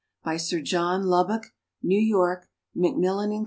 By Sir John Lubbock. New York: Macmillan & Co.